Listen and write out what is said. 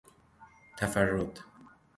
تفرد